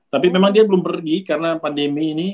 tapi memang dia belum pergi karena pandemi ini